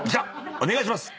お願いします。